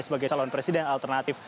sebagai calon presiden alternatif